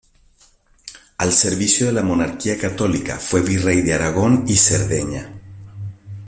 Al servicio de la monarquía católica, fue virrey de Aragón y Cerdeña.